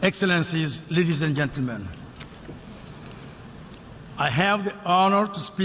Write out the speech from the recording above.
ขอบคุณครับ